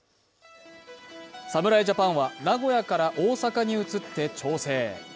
侍ジャパンは名古屋から大阪に移って調整。